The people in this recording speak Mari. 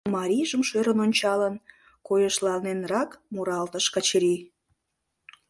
марийжым шӧрын ончалын, койышланенрак муралтыш Качырий.